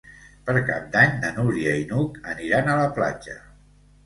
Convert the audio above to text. Per Cap d'Any na Núria i n'Hug aniran a la platja.